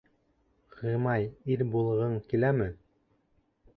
Ғимай, ир булғың киләме?